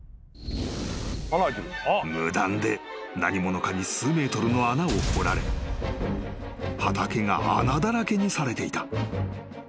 ［無断で何者かに数ｍの穴を掘られ畑が穴だらけにされていた］